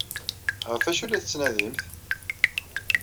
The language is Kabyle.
Ɣef wacu ay la tettnadimt?